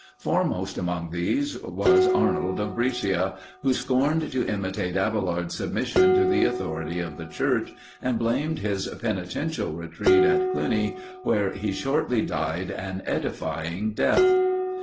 Foremost among these was Arnold of Brescia, who scorned to imitate Abailard's submission to the authority of the Church, and blamed his penitential retreat at Clugny, where he shortly died an edifying death.